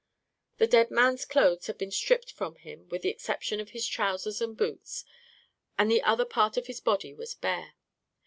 The dead man's clothes had been stripped from him, with the exception of his trousers and boots, and the other part of his body was bare.